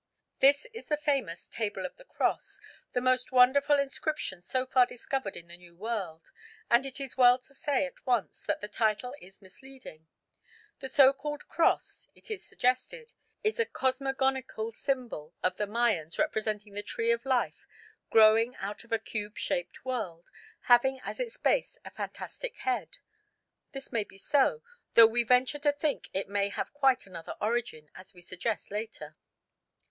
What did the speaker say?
This is the famous "Table of the Cross," the most wonderful inscription so far discovered in the New World; and it is well to say at once that the title is misleading. The so called Cross, it is suggested, is a cosmogonical symbol of the Mayans representing the tree of life growing out of a cube shaped world, having as its base a fantastic head. This may be so, though we venture to think it may have quite another origin, as we suggest later.